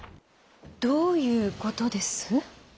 どういう事です？